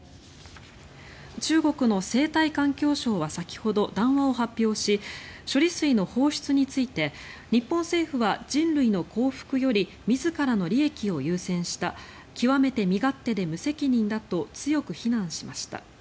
中国の生態環境省は先ほど談話を発表し処理水の放出について日本政府は人類の幸福より自らの利益を優先した極めて身勝手で無責任だと強く非難しました。